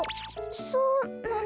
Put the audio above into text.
そうなの？